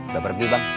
udah pergi bang